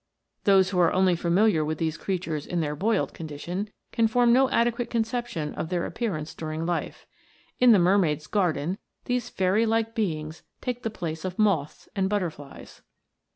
Those who are only familiar with these creatures in their boiled condi tion, can form no adequate conception of their ap pearance during life. In the mermaid's garden these fairy like beings take the place of moths and butterflies.